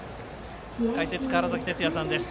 解説、川原崎哲也さんです。